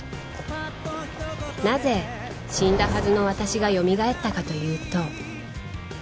なぜ死んだはずの私がよみがえったかというと